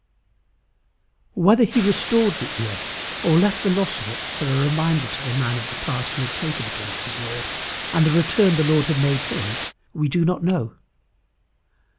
Whether he restored the ear, or left the loss of it for a reminder to the man of the part he had taken against his Lord, and the return the Lord had made him, we do not know.